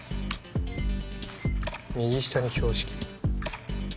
右下に標識。